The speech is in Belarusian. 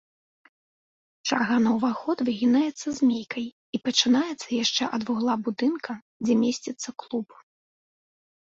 Чарга на ўваход выгінаецца змейкай і пачынаецца яшчэ ад вугла будынка, дзе месціцца клуб.